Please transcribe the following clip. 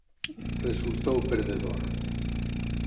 Resultou perdedor.